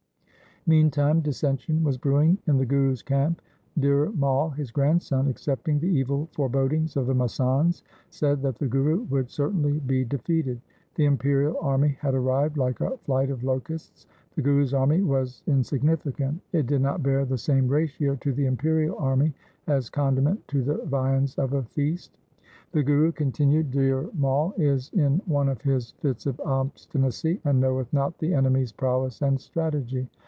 Meantime dissension was brewing in the Guru's camp. Dhir Mai, his grandson, accepting the evil forebodings of the masands, said that the Guru would certainly be defeated. The imperial army had arrived like a flight of locusts. The Guru's army was in significant. It did not bear the same ratio to the imperial army as condiment to the viands of a feast. ' The Guru,' continued Dhir Mai, ' is in one of his fits of obstinacy, and knoweth not the enemy's prowess and strategy.